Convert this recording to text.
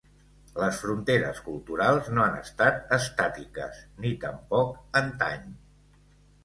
Les fronteres culturals no han estat estàtiques, ni tampoc antany.